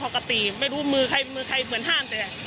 อ้างใบลงมา